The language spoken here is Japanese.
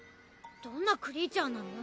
どんなクリーチャーなの？